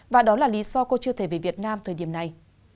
và đó là lý do cô chưa thể về việt nam thời điểm này